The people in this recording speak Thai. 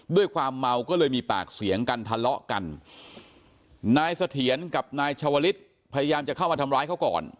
ด้วยความเมาก็เลยมีปากเสียงกันทะเลาะกันนายเสถียรกับนายชาวลิศพยายามจะเข้ามาทำร้ายเขาก่อน